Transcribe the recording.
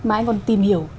mà anh còn tìm hiểu